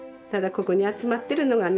ここに集まってるのがね